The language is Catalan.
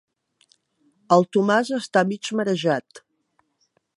El Tomàs està mig marejat.